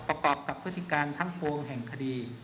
ประกอบกับพฤติการทั้งปวงแห่งคดี